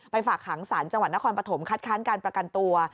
ฝากหางศาลจังหวัดนครปฐมคัดค้านการประกันตัว